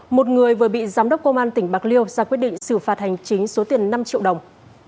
một người vừa bị giám đốc công an tỉnh bạc liêu ra quyết định xử phạt hành chính số tiền năm triệu đồng